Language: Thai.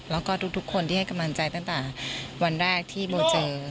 แล้วก็ทุกคนที่ให้กำลังใจตั้งแต่วันแรกที่โบเจอ